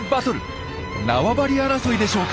縄張り争いでしょうか？